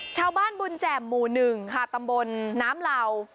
ชาวบ้านบุญแจ่มหมู่๑ค่ะตำบลน้ำเหล่า